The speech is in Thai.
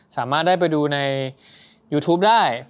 สามารถได้ไปดูในยูทูปได้